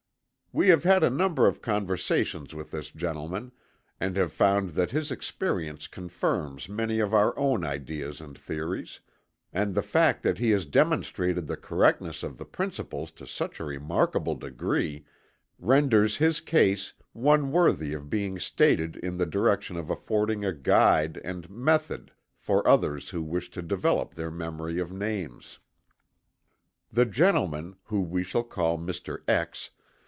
We have had a number of conversations with this gentleman, and have found that his experience confirms many of our own ideas and theories, and the fact that he has demonstrated the correctness of the principles to such a remarkable degree renders his case one worthy of being stated in the direction of affording a guide and "method" for others who wish to develop their memory of names. The gentleman, whom we shall call "Mr. X.